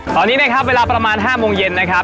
ตอนนี้นะครับเวลาประมาณ๕โมงเย็นนะครับ